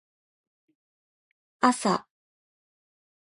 あさ